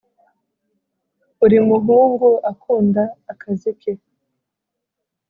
uri muhungu akunda akazi ke